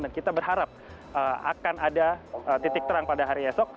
dan kita berharap akan ada titik terang pada hari esok